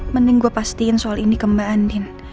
mending gue pastiin soal ini ke mbak andin